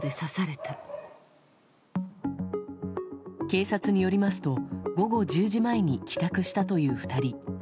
警察によりますと午後１０時前に帰宅したという２人。